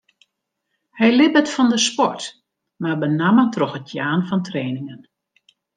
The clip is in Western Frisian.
Hy libbet fan de sport, mar benammen troch it jaan fan trainingen.